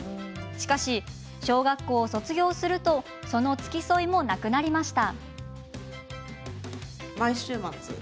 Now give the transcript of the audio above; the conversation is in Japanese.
しかし、小学校を卒業するとその付き添いもなくなりました。